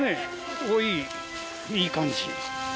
いい感じ。